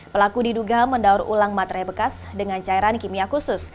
pelaku diduga mendaur ulang materai bekas dengan cairan kimia khusus